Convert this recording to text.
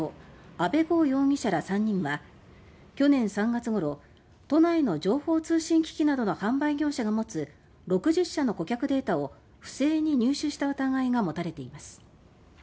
・阿部豪容疑者ら３人は去年３月頃都内の情報通信機器などの販売業者が持つ６０社の顧客データを不正に入手した疑いが持たれています。